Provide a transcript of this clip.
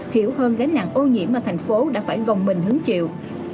hiểu hơn gánh nặng ô nhiễm mà thành phố đã phải gồng mình hứng chịu